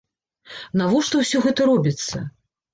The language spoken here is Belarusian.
Навошта ўсё гэта робіцца?